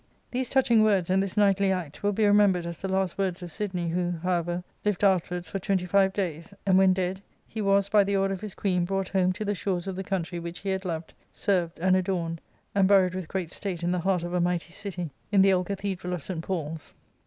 '"* These touching words, and this knightly act, will be remembered as the last words of Sidney, who, however, lived afterwards for twenty five days; and, when dead, he was, by the ofder of his Queen, brought home to the shores of the country which he had loved, served, and adorned, and buried with great state in the \y' heart of a mighty city, in the old cathedral of St PauFs.